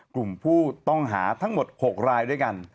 กลุ่มผู้ต้องหาทั้งหมด๖รายด้วยกัน